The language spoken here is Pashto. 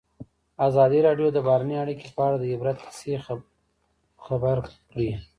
ازادي راډیو د بهرنۍ اړیکې په اړه د عبرت کیسې خبر کړي.